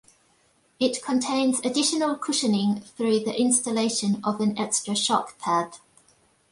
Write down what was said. It contains additional cushioning through the installation of an extra shock pad.